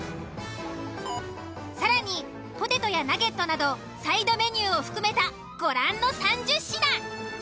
更にポテトやナゲットなどサイドメニューを含めたご覧の３０品。